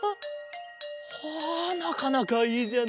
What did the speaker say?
ほうなかなかいいじゃないか。